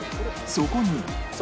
そこに？